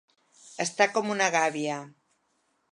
Estar com una gàbia.